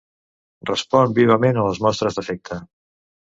Respon vivament a les mostres d'afecte.